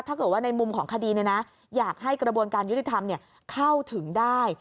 ถ้าเกิดว่าในมุมของคดีอยากให้กระบวนการยุติธรรมเข้าถึงได้